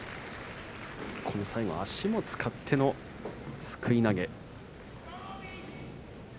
最後、足を使ってのすくい投げ。